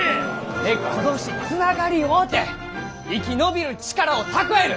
根っこ同士つながり合うて生き延びる力を蓄える！